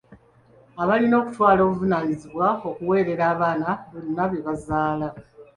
Abalina okutwala obuvunaanyizibwa okuwerera abaana bonna be bazaala.